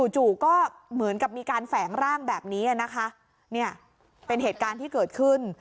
จู่ก็เหมือนกับมีการแฝงร่างแบบนี้นะคะเนี่ยเป็นเหตุการณ์ที่เกิดขึ้น